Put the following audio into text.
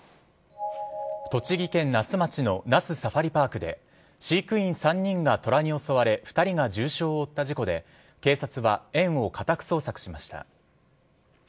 栃木県那須町の那須サファリパークで飼育員３人がトラに襲われ２人が重傷を負った事故で警察は園を家宅捜索しました。